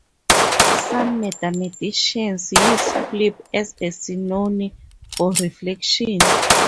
Some mathematicians use "flip" as a synonym for "reflection".